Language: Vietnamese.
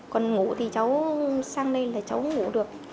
còn ngủ thì cháu sang đây là cháu không ngủ được